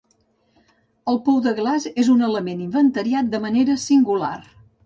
El pou de glaç és un element inventariat de manera singular.